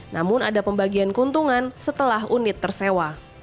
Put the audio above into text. namun ada pembagian keuntungan setelah unit tersewa